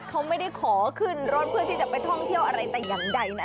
เขาไม่ได้ขอขึ้นรถเพื่อที่จะไปท่องเที่ยวอะไรแต่อย่างใดนะ